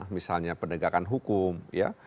misalnya penegakan hukum ya